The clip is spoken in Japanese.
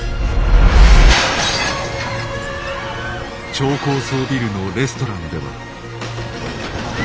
超高層ビルのレストランでは。